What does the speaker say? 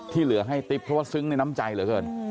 เหลือให้ติ๊บเพราะว่าซึ้งในน้ำใจเหลือเกิน